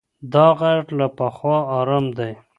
دا غږ له پخوا ارام دی.